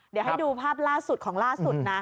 เดี๋ยวให้ดูภาพของล่าสุด